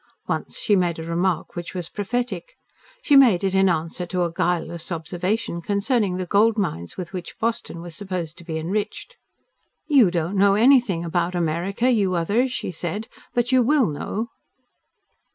Once she made a remark which was prophetic. She made it in answer to a guileless observation concerning the gold mines with which Boston was supposed to be enriched. "You don't know anything about America, you others," she said. "But you WILL know!"